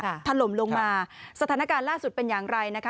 ถล่มลงมาสถานการณ์ล่าสุดเป็นอย่างไรนะคะ